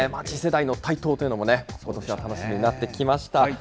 次世代の台頭というのもことしは楽しみになってきました。